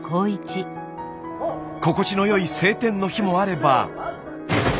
心地の良い晴天の日もあれば。